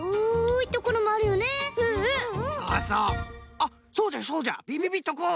あっそうじゃそうじゃびびびっとくん。